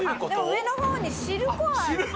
上のほうに汁粉ある。